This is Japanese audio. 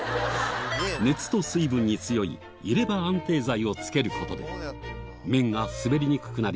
熱と水分に強い入れ歯安定剤を付けることで麺が滑りにくくなり